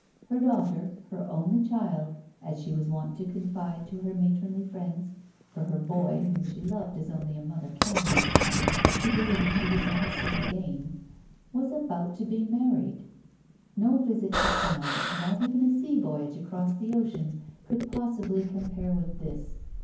Her daughter, her only child, as she was wont to confide to her matronly friends for her boy, whom she loved as only a mother can love a son, she believed she would never see again was about to be married. No visit to town, not even a sea voyage across the ocean could possibly compare with this.